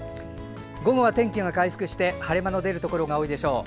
午後は天気が回復して晴れ間の出るところが多いでしょう。